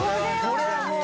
これはもう。